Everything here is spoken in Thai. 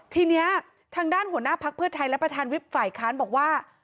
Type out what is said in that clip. ทีนี้ทางด้านหัวหน้าพักเพื่อไทยและประธานวิบฝ่ายค้านบอกว่า